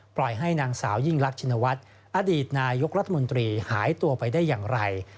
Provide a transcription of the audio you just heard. ปล่อยให้นางสาวยิ่งรักชินวัฒน์อดีตนายกรัฐมนตรีหายตัวไปได้อย่างไร